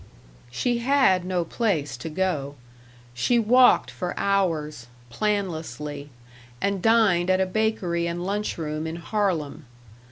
She had no place to go. She walked for hours, planlessly, and dined at a bakery and lunch room in Harlem.